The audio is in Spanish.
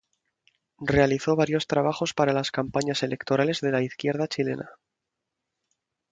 Realizó varios trabajos para las campañas electorales de la izquierda chilena.